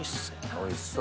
おいしそう。